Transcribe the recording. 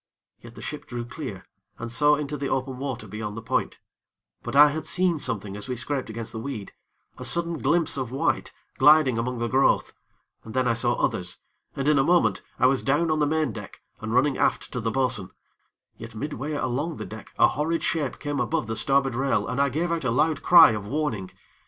Yet the ship drew clear, and so into the open water beyond the point; but I had seen something as we scraped against the weed, a sudden glimpse of white, gliding among the growth, and then I saw others, and, in a moment, I was down on the main deck, and running aft to the bo'sun; yet midway along the deck a horrid shape came above the starboard rail, and I gave out a loud cry of warning.